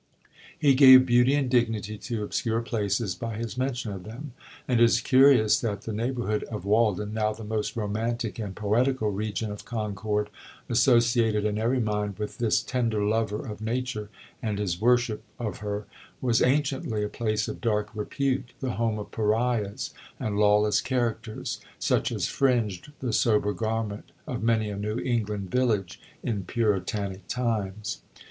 He gave beauty and dignity to obscure places by his mention of them; and it is curious that the neighborhood of Walden, now the most romantic and poetical region of Concord, associated in every mind with this tender lover of Nature, and his worship of her, was anciently a place of dark repute, the home of pariahs and lawless characters, such as fringed the sober garment of many a New England village in Puritanic times.